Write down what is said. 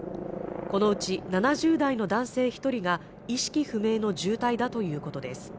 このうち７０代の男性１人が意識不明の重体だということです。